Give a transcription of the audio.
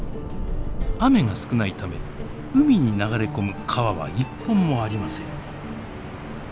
雨が少ないため海に流れ込む川は一本もありません。